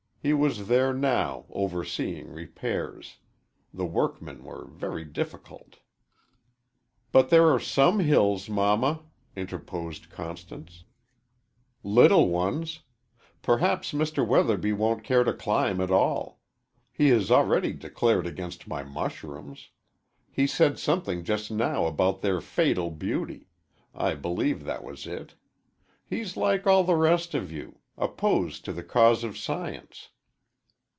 He was there now, overseeing repairs. The workmen were very difficult. "But there are some hills, Mamma," interposed Constance "little ones. Perhaps Mr. Weatherby won't care to climb at all. He has already declared against my mushrooms. He said something just now about their fatal beauty I believe that was it. He's like all the rest of you opposed to the cause of science."